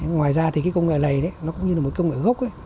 ngoài ra thì cái công nghệ này nó cũng như là một công nghệ gốc ấy